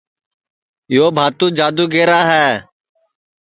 یو بھاتو جادو گیرا ہے